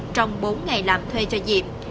trong bốn ngày làm thuê cho dịp